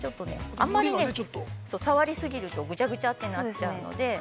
あんまりさわりすぎるとぐちゃぐちゃってなっちゃうので。